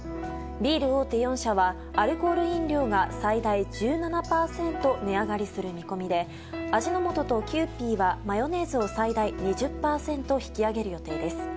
ビール大手４社はアルコール飲料が最大１７％値上がりする見込みで味の素とキユーピーはマヨネーズを最大２０％引き上げる予定です。